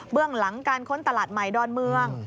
เรื่องหลังการค้นตลาดใหม่ดอนเมือง